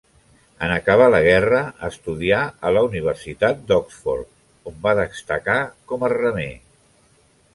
En acabar la guerra estudià a la Universitat d'Oxford, on va destacar com a remer.